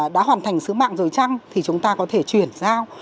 đã hoàn thành sứ mạng rồi chăng thì chúng ta có thể chuyển giao